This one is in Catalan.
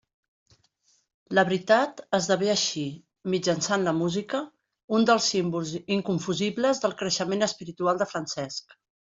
La veritat esdevé així, mitjançant la música, un dels símbols inconfusibles del creixement espiritual de Francesc.